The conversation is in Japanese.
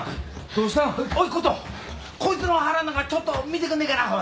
こいつの腹ん中ちょっと診てくんねえかなおい。